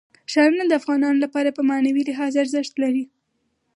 ښارونه د افغانانو لپاره په معنوي لحاظ ارزښت لري.